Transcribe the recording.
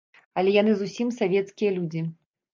Але яны зусім савецкія людзі.